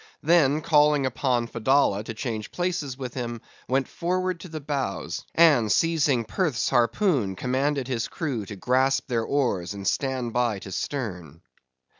Then, calling upon Fedallah to change places with him, went forward to the bows, and seizing Perth's harpoon, commanded his crew to grasp their oars and stand by to stern.